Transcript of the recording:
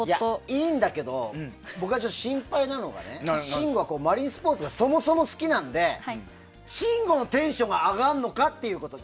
いいんだけど僕が心配なのは信五はマリンスポーツがそもそも好きなので信五のテンションが上がるのか？ってこと。